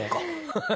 ハハハ！